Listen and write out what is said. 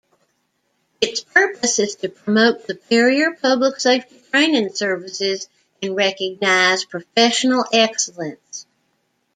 Its purpose is to promote superior public safety training services and recognize professional excellence.